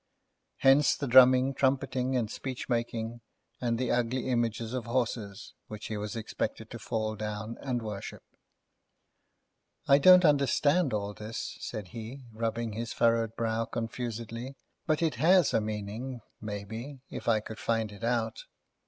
Hence the drumming, trumpeting, and speech making, and the ugly images of horses which he was expected to fall down and worship. "I don't understand all this," said he, rubbing his furrowed brow confusedly. "But it has a meaning, maybe, if I could find it out."